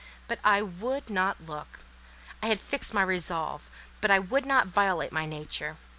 But I would not look; I had fixed my resolve, but I would not violate my nature.